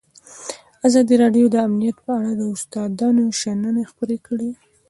ازادي راډیو د امنیت په اړه د استادانو شننې خپرې کړي.